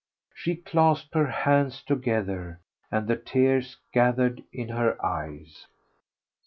She clasped her hands together and the tears gathered in her eyes.